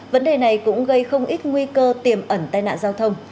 vấn đề này cũng gây không ít nguy cơ tiềm ẩn tai nạn giao thông